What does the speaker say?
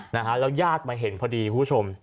แล้วยากมาเห็นพอดีผู้ชม